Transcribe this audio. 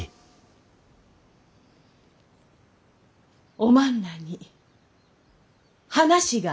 おまんらに話がある。